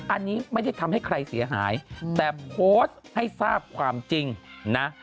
อันนี้ไม่ได้ทำให้ใครเสียหายแต่โพสต์ให้ทราบความจริงนะ